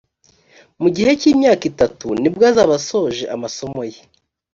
mu gihe cy imyaka itatu nibwo azaba asoje amasomo ye